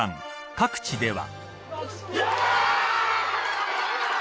各地では。